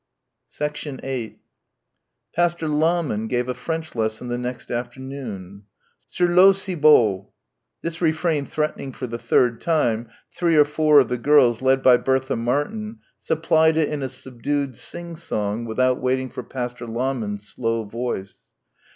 8 Pastor Lahmann gave a French lesson the next afternoon. "Sur l'eau, si beau!" This refrain threatening for the third time, three or four of the girls led by Bertha Martin, supplied it in a subdued singsong without waiting for Pastor Lahmann's slow voice.